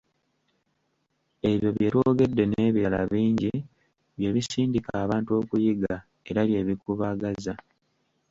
Ebyo bye twogedde n'ebirala bingi, bye bisindika abantu okuyiga era bye bikubaagaza.